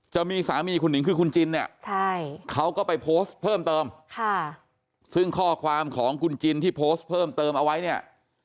จะมีสามีคุณหนึ่งคือคุณจินเนี่ย